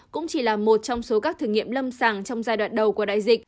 cũng chỉ là một trong số các thử nghiệm lâm sàng trong giai đoạn đầu của đại dịch